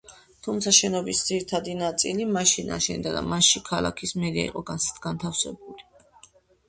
თუმცა, შენობის ძირითადი ნაწილი, მაშინ აშენდა და მასში ქალაქის მერია იყო განთავსებული.